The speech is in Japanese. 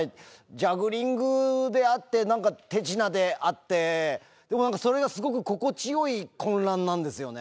ジャグリングであって、なんか手品であって、でもなんかそれがすごく心地よい混乱なんですよね。